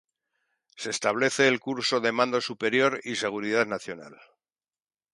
Se establece el Curso de "Mando Superior y Seguridad Nacional".